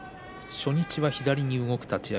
初日、左に動く立ち合い